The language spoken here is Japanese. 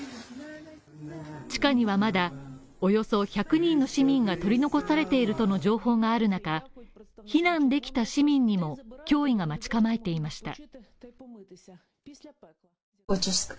地下にはまだおよそ１００人の市民が取り残されているとの情報がある中、避難できた市民にも脅威が待ち構えていました。